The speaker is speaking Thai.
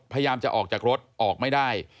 พยายามจะออกจากรถออกไม่ได้